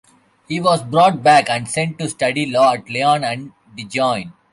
He was brought back and sent to study law at Lyon and Dijon.